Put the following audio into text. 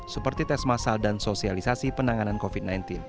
seperti tes masal dan sosialisasi penanganan covid sembilan belas